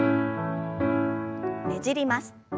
ねじります。